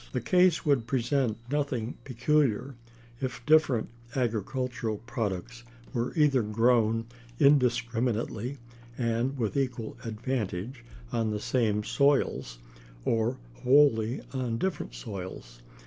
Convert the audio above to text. The case would present nothing peculiar, if different agricultural products were either grown indiscriminately and with equal advantage on the same soils, or wholly on different soils.